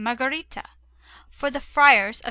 Margherita for the Friars of S.